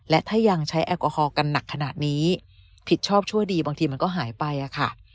และถ้ายังใช้แอลกอฮอลกันหนักขนาดนี้ผิดชอบชั่วดีบางทีมันก็หายไปอะค่ะ